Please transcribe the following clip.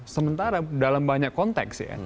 sementara dalam banyak konteks